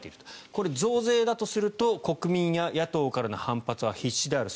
これ、増税だとすると国民や野党からの反発は必至である。